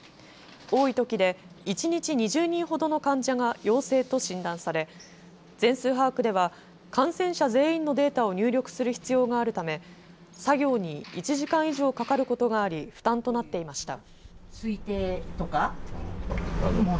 多いときで一日２０人ほどの患者が陽性と診断され全数把握では感染者全員のデータを入力する必要があるため作業に１時間以上かかることがあり負担となっていました。